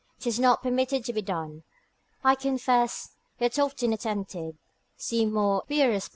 'Tis not permitted to be done, I confess; yet often attempted: see more in Wierus lib.